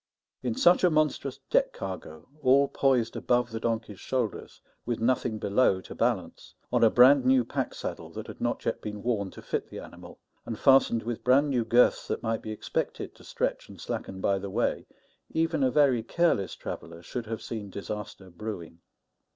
In such a monstrous deck cargo, all poised above the donkey's shoulders, with nothing below to balance, on a brand new pack saddle that had not yet been worn to fit the animal, and fastened with brand new girths that might be expected to stretch and slacken by the way, even a very careless traveller should have seen disaster brewing.